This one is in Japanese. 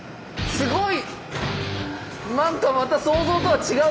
すごい。